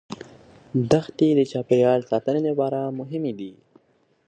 دښتې د چاپیریال ساتنې لپاره مهمې دي.